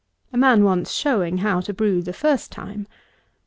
A man wants showing how to brew the first time.